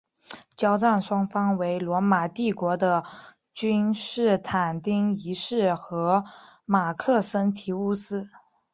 交战双方为罗马帝国的君士坦丁一世和马克森提乌斯。